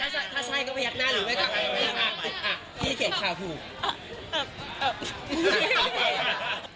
เห็นเขาแบบเปิดมาวางั้นก็ก็อึดต่อไป